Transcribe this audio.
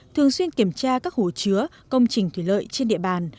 thường xuyên kiểm tra các hồ chứa công trình thủy lợi trên địa bàn